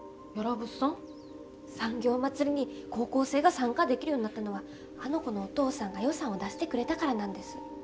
産業まつりに高校生が参加できるようになったのはあの子のお父さんが予算を出してくれたからなんです。